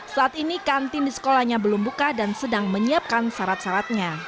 saat ini kantin di sekolahnya belum buka dan sedang menyiapkan syarat syaratnya